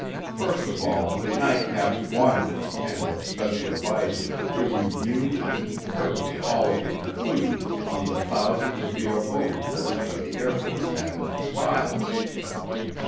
First of all, NICAP wanted its Panel of Special Advisors to review and concur with all of the conclusions on the thousands of UFO reports that the Air Force had in its files.